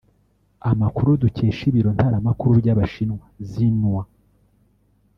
Amakuru dukesha Ibiro Ntaramakuru by’Abashinwa Xinhua